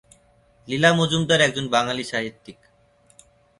লীলা মজুমদার একজন বাঙালি সাহিত্যিক।